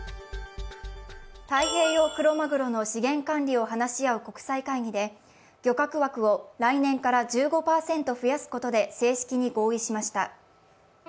太平洋クロマグロの資源管理を話し合う国際会議で漁獲枠を来年から１５％増やすことで正式に合意しました。